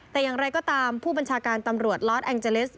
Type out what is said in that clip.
แต่อย่างไรก็ตามผู้บัญชาการตำรวจลอสแองเจลิส